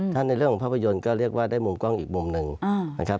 ถ้าในเรื่องของภาพยนตร์ก็เรียกว่าได้มุมกล้องอีกมุมหนึ่งนะครับ